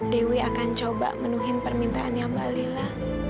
dewi akan coba menuhi permintaannya mbak lila